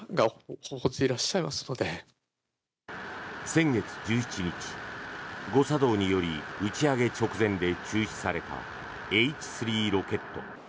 先月１７日誤作動により打ち上げ直前で中止されたＨ３ロケット。